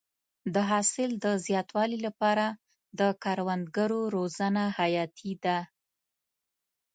د حاصل د زیاتوالي لپاره د کروندګرو روزنه حیاتي ده.